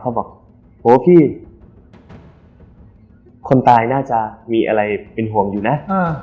เขาบอกโหพี่คนตายน่าจะมีอะไรเป็นห่วงอยู่นะ